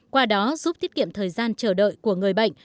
qua đó giúp tiết kiệm thời gian chờ đợi của người bệnh